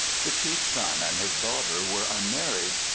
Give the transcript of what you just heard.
The chief's son and his daughter were unmarried.